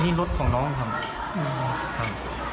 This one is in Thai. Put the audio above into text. นี่รถของน้องครับ